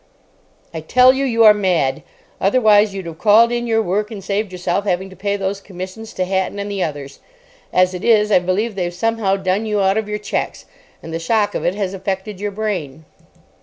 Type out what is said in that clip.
"I tell you you are mad. Otherwise you'd have called in your work, and saved yourself having to pay those commissions to Hatton and the others. As it is, I believe they've somehow done you out of your cheques, and the shock of it has affected your brain."